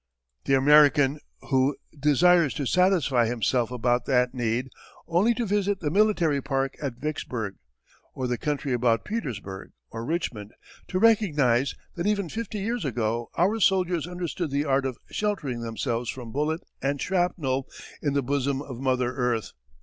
The American who desires to satisfy himself about that need only to visit the Military Park at Vicksburg, or the country about Petersburg or Richmond, to recognize that even fifty years ago our soldiers understood the art of sheltering themselves from bullet and shrapnel in the bosom of Mother Earth.